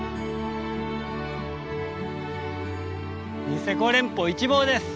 ニセコ連峰一望です。